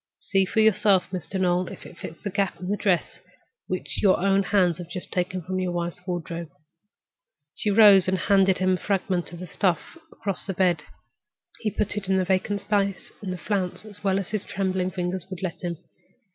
See for yourself, Mr. Noel, if it fits the gap in that dress which your own hands have just taken from your wife's wardrobe." She rose and handed him the fragment of stuff across the bed. He put it into the vacant space in the flounce as well as his trembling fingers would let him.